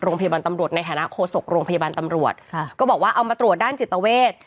โรงพยาบาลตำรวจในฐานะโฆษกโรงพยาบาลตำรวจค่ะก็บอกว่าเอามาตรวจด้านจิตเวท